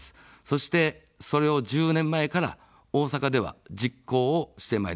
そして、それを１０年前から大阪では実行をしてまいりました。